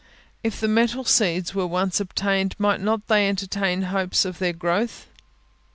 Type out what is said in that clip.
If the metal seeds were once obtained, might they not entertain hopes of their growth?